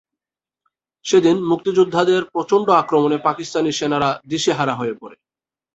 সেদিন মুক্তিযোদ্ধাদের প্রচণ্ড আক্রমণে পাকিস্তানি সেনারা দিশেহারা হয়ে পড়ে।